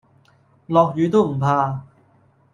落雨都唔怕